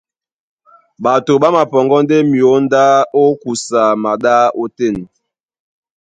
Ɓato ɓá mapɔŋgɔ́ ndé myǒndá ó kusa maɗá ótên.